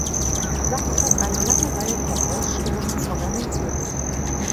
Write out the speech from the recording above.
Sachs hat eine lange Reihe von Ausstellungen organisiert.